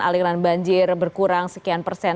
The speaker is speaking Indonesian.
aliran banjir berkurang sekian persen